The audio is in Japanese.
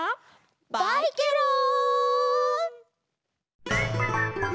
バイケロン！